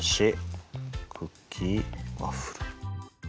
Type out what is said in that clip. クッキー・ワッフル。